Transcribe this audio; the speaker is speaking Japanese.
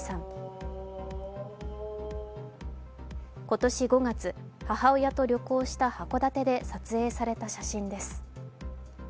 今年５月、母親と旅行した函館で撮影された写真です。